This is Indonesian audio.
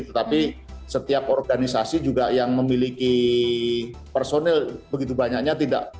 tetapi setiap organisasi juga yang memiliki personil begitu banyaknya tidak